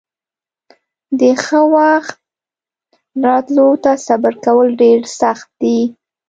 د ښه وخت راتلو ته صبر کول ډېر سخت دي.